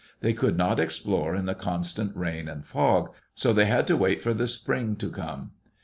They could not explore in the constant rain and fog, so they had to wait for the spring to come.